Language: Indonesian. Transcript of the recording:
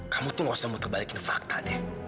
kamu tuh gak usah muterbalikin fakta deh